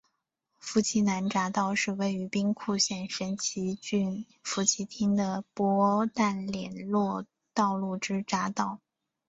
福崎南匝道是位于兵库县神崎郡福崎町的播但连络道路之匝道。